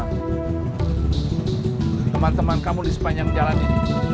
sampaikan sama teman teman kamu di sepanjang jalan ini